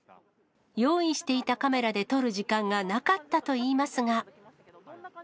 用意していたカメラで撮る時間がなかったといいますが。